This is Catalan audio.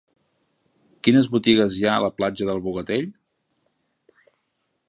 Quines botigues hi ha a la platja del Bogatell?